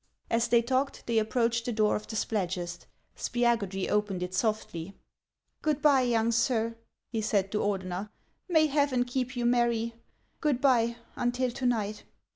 As they talked, they approached the door of the Splad gest. Spiagudry opened it softly. " Good by, young sir," he said to Ordeuer ;" may Heaven keep you merry. Good by until to night.